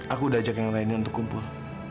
aku udah ajak yang lainnya untuk kumpul